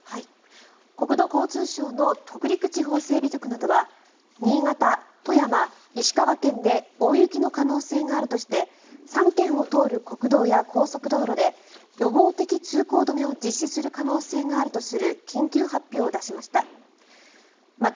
国土交通省の北陸地方整備局などは新潟、富山、石川県で大雪の可能性があるとして３県を通る国道や高速道路で予防的通行止めを実施する可能性があるとする緊急発表を出しました。